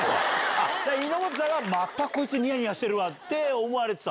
猪本さんはまたこいつニヤニヤしてるって思われてた。